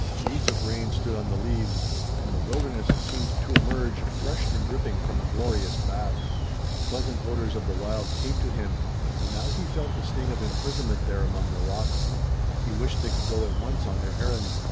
Beads of rain stood on the leaves, and the wilderness seemed to emerge, fresh and dripping, from a glorious bath. Pleasant odors of the wild came to him, and now he felt the sting of imprisonment there among the rocks. He wished they could go at once on their errand.